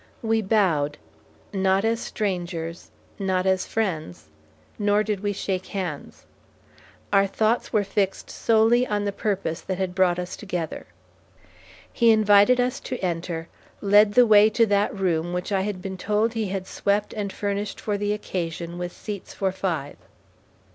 We bowed, not as strangers, not as friends, nor did we shake hands. Our thoughts were fixed solely on the purpose that had brought us together. He invited us to enter, led the way to that room which I had been told he had swept and furnished for the occasion with seats for five.